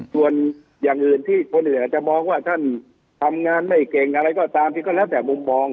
ส่วนอย่างอื่นที่คนอื่นอาจจะมองว่าท่านทำงานไม่เก่งอะไรก็ตามที่ก็แล้วแต่มุมมอง